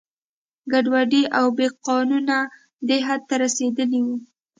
ګډوډي او بې قانونه دې حد ته رسېدلي وو.